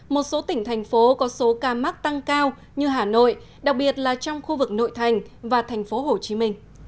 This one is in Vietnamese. một số tỉnh thành phố có số ca mắc tăng cao như hà nội đặc biệt là trong khu vực nội thành và thành phố hồ chí minh